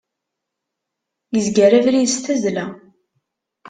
Yezger abrid s tazzla.